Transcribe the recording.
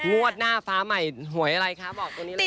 งวดหน้าฟ้าใหม่หวยอะไรคะบอกตัวนี้เลย